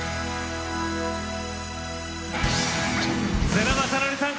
世良公則さん